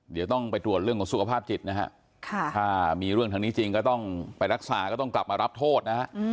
เดี๋ยวต้องไปตรวจเรื่องของสุขภาพจิตนะฮะถ้ามีเรื่องทางนี้จริงก็ต้องไปรักษาก็ต้องกลับมารับโทษนะฮะ